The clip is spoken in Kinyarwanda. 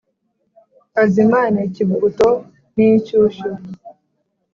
Azimane ikivuguto n’inshyushyu